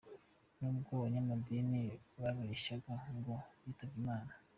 Nubwo abanyamadini bababeshya ngo bitabye imana.